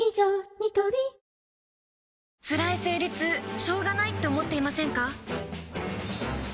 ニトリつらい生理痛しょうがないって思っていませんか？